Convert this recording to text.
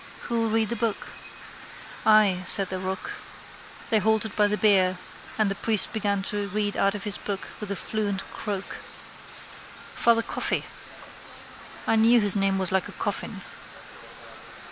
Who'll read the book? I, said the rook. They halted by the bier and the priest began to read out of his book with a fluent croak. Father Coffey. I knew his name was like a coffin.